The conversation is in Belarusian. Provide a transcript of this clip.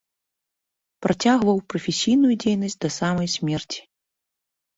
Працягваў прафесійную дзейнасць да самай смерці.